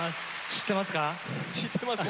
知ってますよ。